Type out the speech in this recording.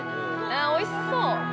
おいしそう。